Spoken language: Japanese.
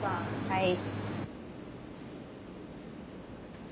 はい。